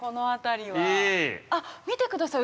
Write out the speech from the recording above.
あっ見て下さい。